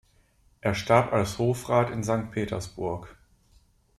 Er starb als Hofrat in Sankt Petersburg.